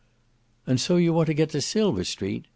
"And so you want to go to Silver Street?"